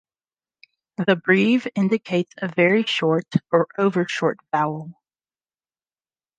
The breve indicates a "very short", or "overshort" vowel.